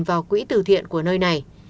vào quỹ từ thiện của nơi này